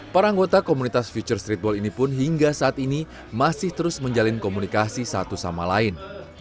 para anggota komunitas future streetball ini pun hingga saat ini masih terus menjalin komunikasi satu sama lain